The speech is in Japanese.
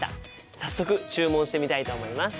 早速注文してみたいと思います。